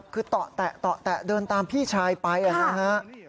คือเตาะแตะเตาะแตะเดินตามพี่ชายไปนะครับ